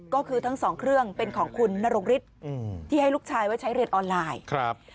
ก็คือทั้งสองเครื่องเป็นของคุณนรงฤทธิ์ที่ให้ลูกชายไว้ใช้เรียนออนไลน์ครับ